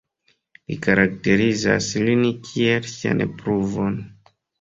Li karakterizas lin kiel 'Sian pruvon'.